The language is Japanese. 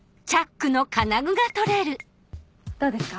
どうですか？